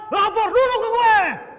lapor dulu ke gue